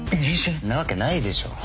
んなわけないでしょ。